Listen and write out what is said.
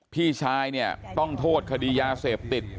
พี่ชายเนี่ยต้องโทษคดียาเสพติด